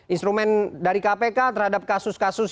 instrumen dari kpk terhadap kasus kasus